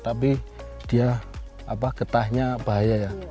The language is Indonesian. tapi ketahnya bahaya ya